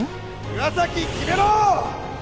岩崎決めろ！